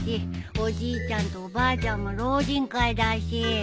おじいちゃんとおばあちゃんも老人会だし。